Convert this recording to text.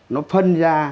nó phân ra